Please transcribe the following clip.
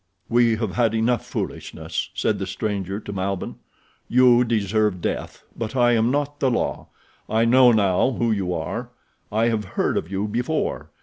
"We have had enough foolishness," said the stranger to Malbihn. "You deserve death, but I am not the law. I know now who you are. I have heard of you before.